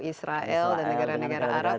israel dan negara negara arab